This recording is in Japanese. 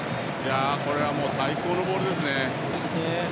これはもう最高のボールですね。